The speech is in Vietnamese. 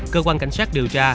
cơ quan cảnh sát điều tra